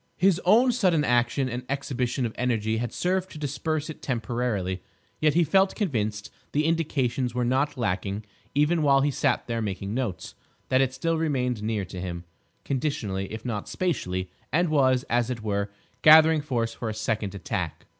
His own sudden action and exhibition of energy had served to disperse it temporarily, yet he felt convinced—the indications were not lacking even while he sat there making notes—that it still remained near to him, conditionally if not spatially, and was, as it were, gathering force for a second attack.